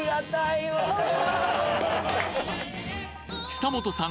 久本さん